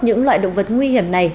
những loài động vật nguy hiểm này